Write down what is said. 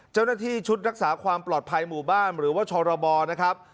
เจ้าหน้าที่ชุดรักษาความปลอดภัยหมู่บ้านหรือว่าชรบนะครับ